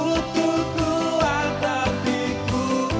rambi ruang dia